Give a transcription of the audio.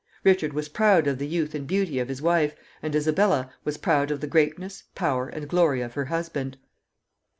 Richard was proud of the youth and beauty of his wife, and Isabella was proud of the greatness, power, and glory of her husband.